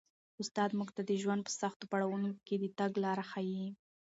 استاد موږ ته د ژوند په سختو پړاوونو کي د تګ لاره ښيي.